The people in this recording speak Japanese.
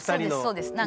あそうです